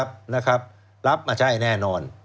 รับนะครับรับมาใช่แน่นอน